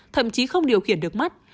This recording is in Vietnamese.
thậm chí không điều khiển được mắt